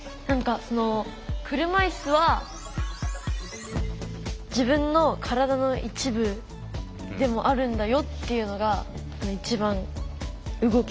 何かその車いすは自分の体の一部でもあるんだよっていうのが一番動きました心。